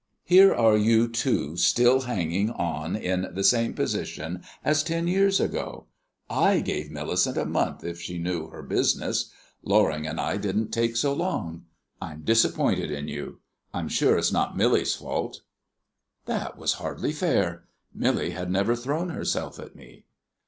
Here are you two still hanging on in the same position as ten years ago. I gave Millicent a month if she knew her business. Loring and I didn't take so long. I am disappointed in you. I'm sure it's not Millie's fault." That was hardly fair. Millie had never thrown herself at me.